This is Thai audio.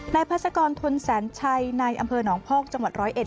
นายภาษากรทุนแสนชัยนายอำเภอหนองภอกจังหวัดร้อยเอ็ด